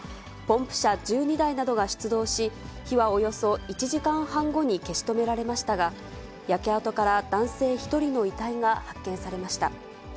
ポンプ車１２台などが出動し、火はおよそ１時間半後に消し止められましたが、焼け跡から男性１人の遺体が発見されました。